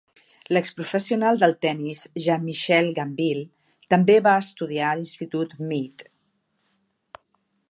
L'exprofessional del tenis Jan-Michael Gambill també va estudiar a l'Institut Mead.